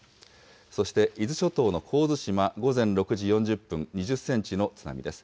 そして、伊豆諸島の神津島、午前６時４０分、２０センチの津波です。